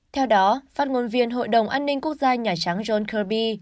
theo đó phát ngôn viên hội đồng an ninh quốc gia nhà trắng john kirby